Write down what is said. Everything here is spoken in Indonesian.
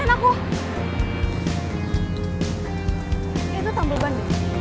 itu tombol ban